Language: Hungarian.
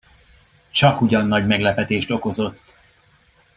Csakugyan nagy meglepetést okozott.